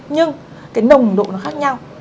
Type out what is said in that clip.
nhưng cái nồng độ nó khác nhau